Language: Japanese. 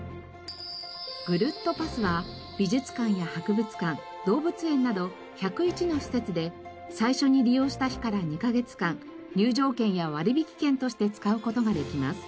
ぐるっとパスは美術館や博物館動物園など１０１の施設で最初に利用した日から２カ月間入場券や割引券として使う事ができます。